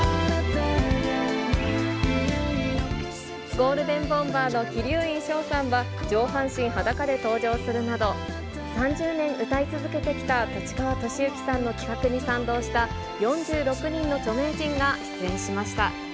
ゴールデンボンバーの鬼龍院翔さんは、上半身裸で登場するなど、３０年歌い続けてきた立川俊之さんの企画に賛同した、４６人の著名人が出演しました。